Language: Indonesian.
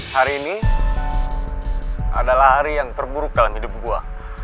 hari ini adalah hari yang terburuk dalam hidup gua